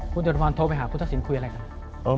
พูดจริงพอโทรไปหาพุทธศิลป์คุยอะไรกัน